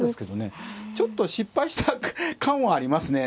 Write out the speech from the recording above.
ちょっと失敗した感はありますね。